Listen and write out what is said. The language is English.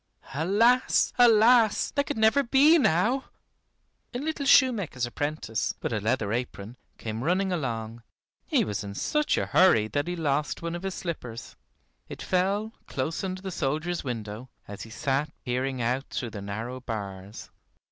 Alas, alas! that could never be now A little shoemaker's apprentice, with a leather apron, came running along. He was in such a hurry that he lost one of his slippers. It fell close under the soldier's window, as he sat peering out through the narrow bars.